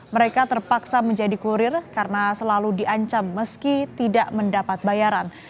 mereka terpaksa menjadi kurir karena selalu diancam meski tidak mendapat bayaran